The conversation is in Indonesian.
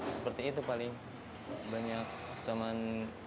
seperti itu paling banyak teman